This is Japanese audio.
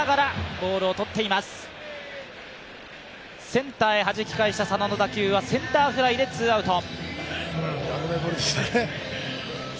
センターへはじき返した佐野の打球はセンターフライでツーアウト。